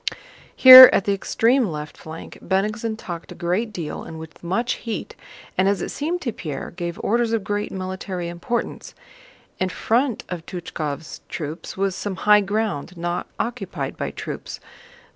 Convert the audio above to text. Here, at the extreme left flank, Bennigsen talked a great deal and with much heat, and, as it seemed to Pierre, gave orders of great military importance. In front of Túchkov's troops was some high ground not occupied by troops.